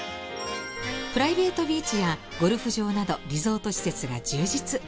プライベートビーチやゴルフ場などリゾート施設が充実。